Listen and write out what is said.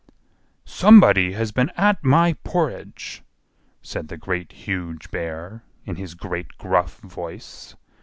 "SOMEBODY HAS BEEN AT MY PORRIDGE!" said the Great, Huge Bear, in his great gruff voice.